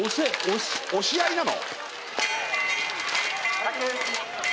押し合いなの？